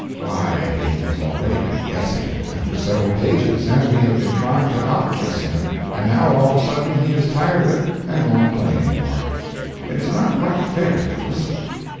Why, he has already been guessing at them for several pages, and we have been trying to outguess him, and now all of a sudden he is tired of it and won't play any more. It is not quite fair to us.